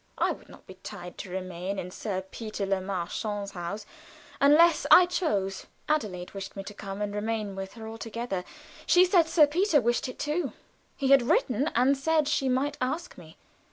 I would not be tied to remain in Sir Peter Le Marchant's house unless I choose. Adelaide wished me to come and remain with her altogether. She said Sir Peter wished it too; he had written and said she might ask me.